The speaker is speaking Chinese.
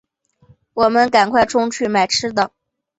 我们赶快冲去买吃的